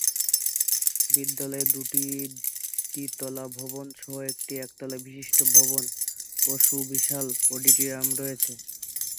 বিদ্যালয়ে দুইটি দ্বিতল ভবন সহ একটি একতলা বিশিষ্ট ভবন ও সুবিশাল অডিটোরিয়াম রয়েছে।